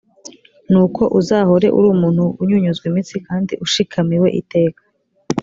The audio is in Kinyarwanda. nuko uzahore uri umuntu unyunyuzwa imitsi kandi ushikamiwe iteka.